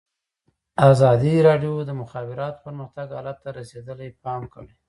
ازادي راډیو د د مخابراتو پرمختګ حالت ته رسېدلي پام کړی.